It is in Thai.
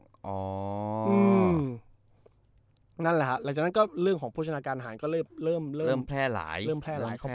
อืมนั่นแหละครับหลังจากนั้นก็เรื่องของโภชนาการอาหารก็เริ่มแพร่หลายเข้าไป